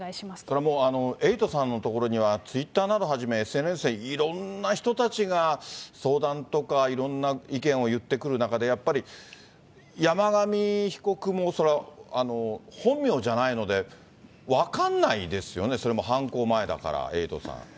これもうエイトさんのところには、ツイッターなどはじめ、ＳＮＳでいろんな人たちが相談とか、いろんな意見を言ってくる中で、やっぱり山上被告も本名じゃないので、分かんないですよね、それも犯行前だから、エイトさん。